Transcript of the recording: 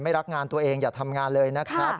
รักงานตัวเองอย่าทำงานเลยนะครับ